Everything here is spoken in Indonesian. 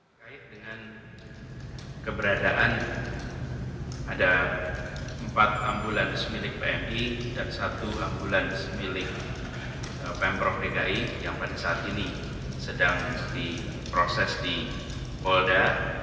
terkait dengan keberadaan ada empat ambulans milik pmi dan satu ambulans milik pemprov dki yang pada saat ini sedang diproses di polda